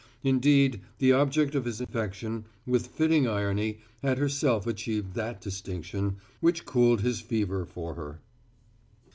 Indeed, the object of his affection, with fitting irony, had herself achieved that distinction, which cooled his fever for her.